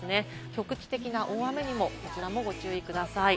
局地的な大雨にもご注意ください。